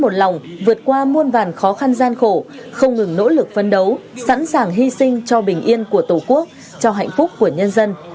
một lòng vượt qua muôn vàn khó khăn gian khổ không ngừng nỗ lực phân đấu sẵn sàng hy sinh cho bình yên của tổ quốc cho hạnh phúc của nhân dân